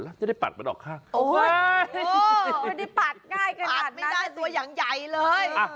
โอ้โหไม่ได้ปัดง่ายขนาดนั้นปัดไม่ได้ตัวอย่างใหญ่เลย